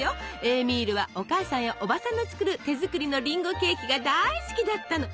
エーミールはお母さんやおばさんの作る手作りのりんごケーキが大好きだったの！